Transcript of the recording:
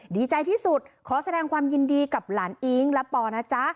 ดีใจที่สุดขอแสดงความยินดีกับหลานอิ๊งและปอนะจ๊ะ